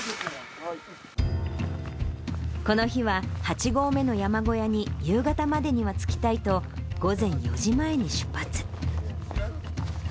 この日は８合目の山小屋に夕方までには着きたいと、午前４時前に出発。